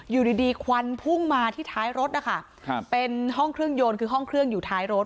อยู่ดีดีควันพุ่งมาที่ท้ายรถนะคะครับเป็นห้องเครื่องยนต์คือห้องเครื่องอยู่ท้ายรถ